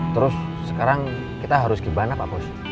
terus sekarang kita harus gimana pak bos